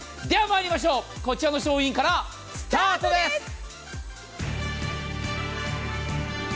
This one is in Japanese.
ではまいりましょう、こちらの商品からスタートです！